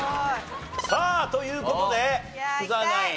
さあという事で福澤ナイン。